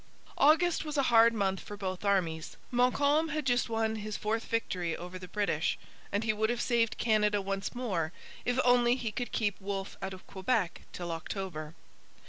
August was a hard month for both armies. Montcalm had just won his fourth victory over the British; and he would have saved Canada once more if only he could keep Wolfe out of Quebec till October.